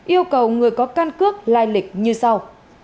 yêu cầu người có căn cước lai lịch như sau